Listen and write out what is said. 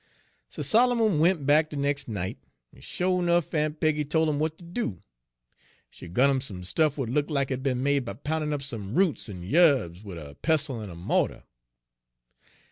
"So Solomon went back de nex' night, en sho' 'nuff, Aun' Peggy tol' 'im w'at ter do. She gun 'im some stuff w'at look' lack it be'n made by poundin' up some roots en yarbs wid a pestle in a mo'tar.